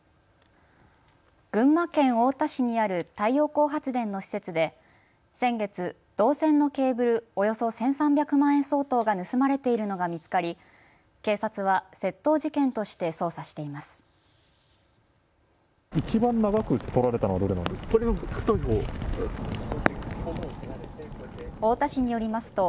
群馬県太田市にある太陽光発電の施設で先月、銅線のケーブルおよそ１３００万円相当が盗まれているのが見つかり警察は窃盗事件として捜査しています。